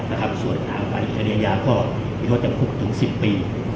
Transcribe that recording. ส่วนประวัติการพรรดิอาญามีโทษจำคลุกถึงสิบปี